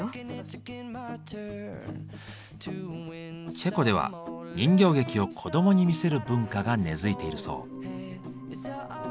チェコでは人形劇を子どもに見せる文化が根付いているそう。